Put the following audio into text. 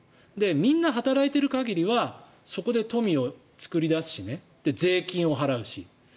みんな働いている限りはそこで富を作り出すし税金を払うし。